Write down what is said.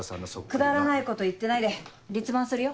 くだらないこと言ってないで立番するよ。